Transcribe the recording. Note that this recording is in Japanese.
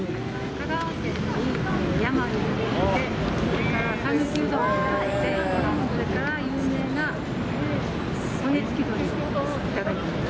香川県の山に行って、それからさぬきうどんを食べて、それから、有名な骨付き鶏を頂きます。